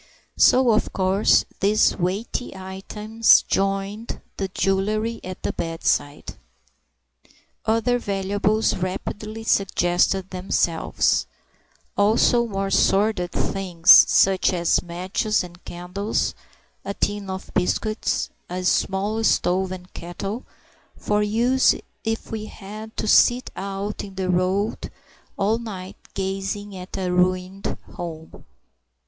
So of course these weighty items joined the jewellery at the bedside. Other valuables rapidly suggested themselves; also more sordid things, such as matches and candles, a tin of biscuits, and a small stove and kettle, for use if we had to sit out in the road all night gazing at a ruined home.